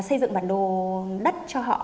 xây dựng bản đồ đất cho họ